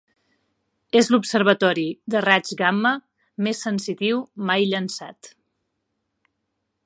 És l'observatori de raigs gamma més sensitiu mai llançat.